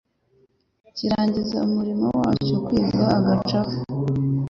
kirangiza umurimo wacyo, kigwa agacuho,